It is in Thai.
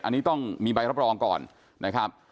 อันนี้ต้องมีใบรับรองก่อนนะครับ